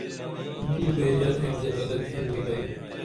دو بیژر ایک زنگلہ تھین نی بیین